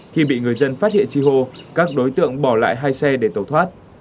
khi bị người dân phát hiện chi hô các đối tượng bỏ lại hai xe để tẩu thoát